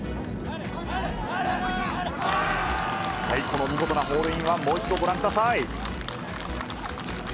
この見事なホールインワン、もう一度ご覧ください。